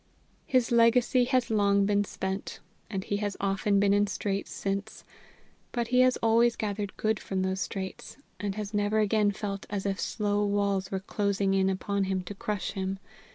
His legacy has long been spent, and he has often been in straits since; but he has always gathered good from those straits, and has never again felt as if slow walls were closing in upon him to crush him.